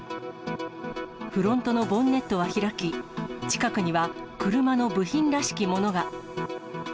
フロントのボンネットは開き、近くには車の部品らしきものが。